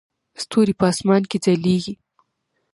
ستوري په اسمان کې ځلیږي